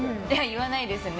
言わないですね。